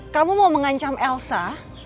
kamu mau mengancam elsa